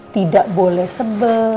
tidak boleh sebel